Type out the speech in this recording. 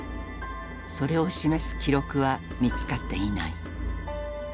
それを示す記録は見つかっていない。